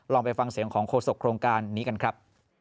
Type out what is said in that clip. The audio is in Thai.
ไปฟังเสียงของโฆษกโครงการนี้กันครับ